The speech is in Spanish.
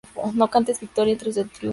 No cantes victoria antes del triunfo